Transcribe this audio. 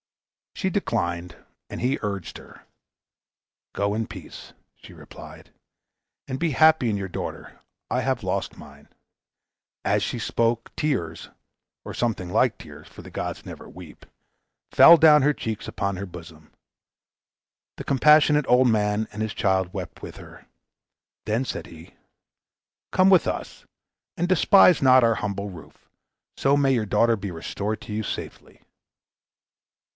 She declined, and he urged her. "Go in peace," she replied, "and be happy in your daughter; I have lost mine." As she spoke, tears or something like tears, for the gods never weep fell down her cheeks upon her bosom. The compassionate old man and his child wept with her. Then said he, "Come with us, and despise not our humble roof; so may your daughter be restored to you in safety."